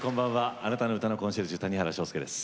あなたの歌のコンシェルジュ谷原章介です。